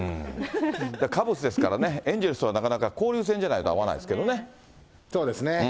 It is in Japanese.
カブスですからね、エンジェルスはなかなか、交流戦じゃないとあそうですね。